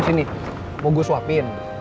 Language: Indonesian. sini mau gue suapin